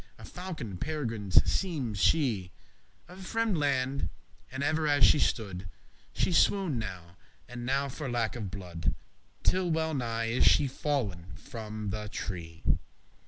A falcon peregrine seemed she, Of fremde* land; and ever as she stood *foreign <28> She swooned now and now for lack of blood; Till well nigh is she fallen from the tree.